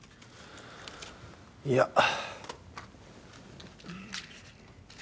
いや。